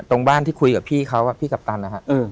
ตรงบ้านที่คุยกับพี่เขาพี่กัปตันนะฮะ